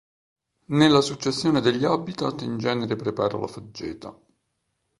Nella successione degli habitat in genere prepara la faggeta.